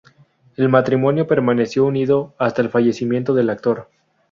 El matrimonio permaneció unido hasta el fallecimiento del actor.